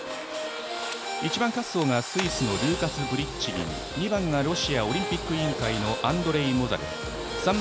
１番滑走がスイスのルーカス・ブリッチギー２番がロシアオリンピック委員会アンドレイ・モザレフ。